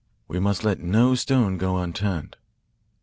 We must let no stone go unturned."